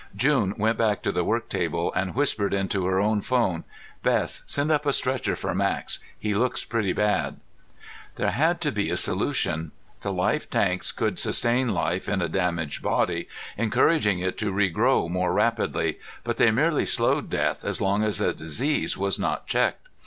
June went back to the work table and whispered into her own phone. "Bess, send up a stretcher for Max. He looks pretty bad." There had to be a solution. The life tanks could sustain life in a damaged body, encouraging it to regrow more rapidly, but they merely slowed death as long as the disease was not checked.